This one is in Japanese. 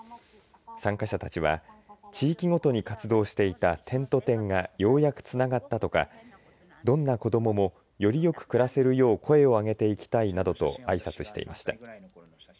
参加者たちは地域ごとに活動していた点と点がようやくつながったとかどんな子どももよりよく暮らせるよう声を上げていきたいなどとあいさつしていました。